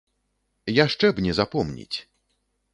Яшчэ б не запомніць!